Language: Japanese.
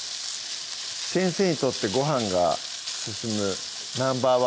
先生にとってごはんが進むＮｏ．１